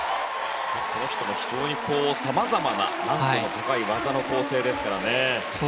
この人も非常に様々な難度の高い技の構成ですからね。